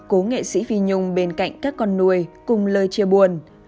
cố nghệ sĩ phi nhung bên cạnh các con nuôi cùng lời chia buồn